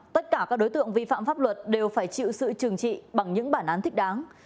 tất cả các đối tượng vi phạm pháp luật đều phải chịu sự trừng trị bằng những bản án thích đáng